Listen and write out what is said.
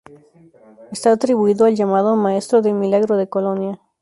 Está atribuido al llamado "Maestro del Milagro de Colonia".